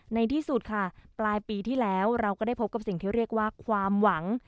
ในที่สุดค่ะปลายปีที่แล้วเราก็ได้พบกับสิ่งที่เรียกว่าความหวัง